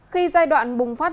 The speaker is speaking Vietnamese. khi giai đoạn bùng phát